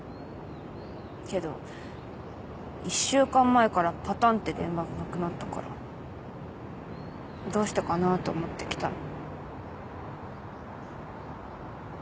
けど１週間前からぱたんって電話がなくなったからどうしてかなと思って来たの。